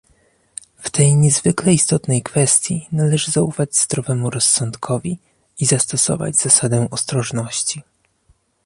W tej niezwykle istotnej kwestii należy zaufać zdrowemu rozsądkowi i zastosować zasadę ostrożności